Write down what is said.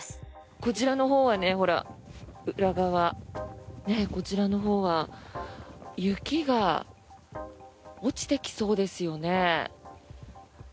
こちらのほうはねほら、裏側、こちらのほうは雪が落ちてきそうですよね。